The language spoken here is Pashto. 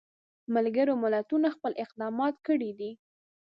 ملګرو ملتونو خپل اقدامات کړي دي.